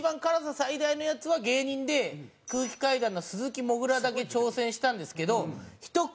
最大のやつは芸人で空気階段の鈴木もぐらだけ挑戦したんですけどひと口